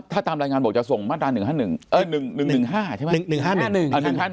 ถ้าตามรายงานบอกจะส่งมาตรา๑๕๑๑๑๕ใช่ไหม